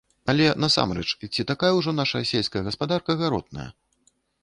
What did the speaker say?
Але, насамрэч, ці такая ўжо наша сельская гаспадарка гаротная?